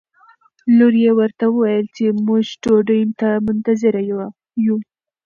لور یې ورته وویل چې موږ ډوډۍ ته منتظره یو.